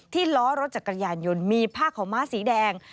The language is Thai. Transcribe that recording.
ล้อรถจักรยานยนต์มีผ้าขาวม้าสีแดง